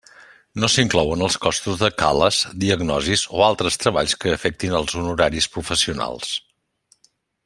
No s'inclouen els costos de cales, diagnosis o altres treballs que afectin els honoraris professionals.